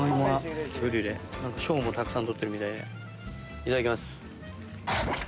いただきます。